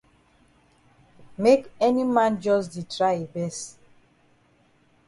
Make any man jus di try yi best.